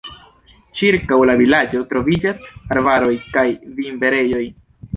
Ĉirkaŭ la vilaĝo troviĝas arbaroj kaj vinberejoj.